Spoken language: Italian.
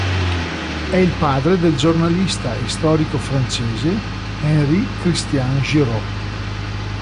È il padre del giornalista e storico francese Henri-Christian Giraud.